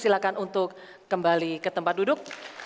silakan untuk kembali ke tempat duduk